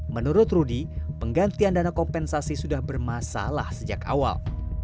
menurut rudy penggantian dana kompensasi sudah bermasalah sejak awal